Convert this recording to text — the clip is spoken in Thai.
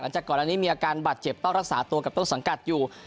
จากก่อนอันนี้มีอาการบาดเจ็บต้องรักษาตัวกับต้นสังกัดอยู่